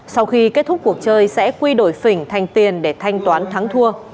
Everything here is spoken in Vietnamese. sau khi kết thúc cuộc chơi sẽ quy đổi phỉnh thành tiền để thanh toán thắng thua